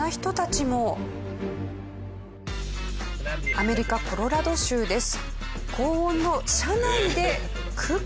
アメリカコロラド州です。